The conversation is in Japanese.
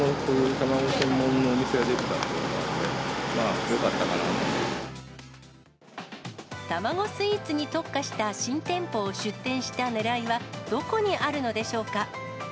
卵スイーツに特化した新店舗を出店したねらいはどこにあるのでしょうか。